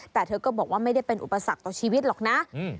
แต่เธอก็บอกว่าไม่ได้เป็นอุปสรรคต่อชีวิตหรอกนะ